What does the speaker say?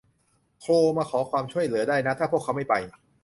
โทรมาขอความช่วยเหลือได้นะถ้าพวกเขาไม่ไป